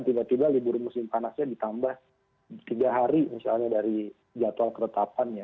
tiba tiba libur musim panasnya ditambah tiga hari misalnya dari jadwal keretapannya